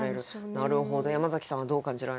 なるほど山崎さんはどう感じられましたか？